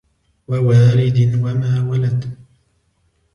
ووالد وما ولد